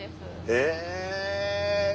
へえ。